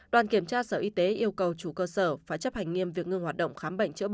đoàn kiểm tra sở y tế yêu cầu chủ cơ sở phải chấp hành nghiêm việc ngưng hoạt động khám bệnh chữa bệnh